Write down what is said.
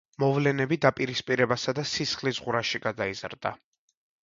მოვლენები დაპირისპირებასა და სისხლისღვრაში გადაიზარდა.